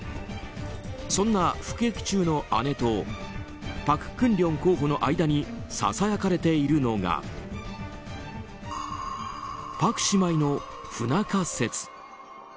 そんな服役中の姉と朴槿令候補の間にささやかれているのが朴姉妹の不仲説。